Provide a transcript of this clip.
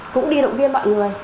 cũng đi động viên mọi người